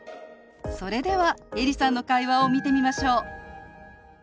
それではエリさんの会話を見てみましょう。